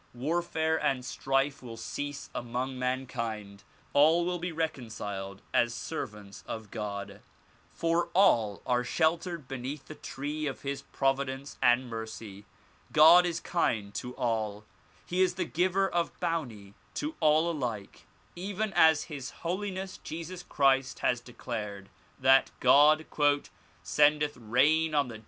Warfare and strife will cease among mankind ; all will be reconciled as servants of God. For all are sheltered beneath the tree of his providence and mercy. God is kind to all ; he is the giver of bounty to all alike, even as His Holi ness Jesus Christ has declared that God "sendeth rain on the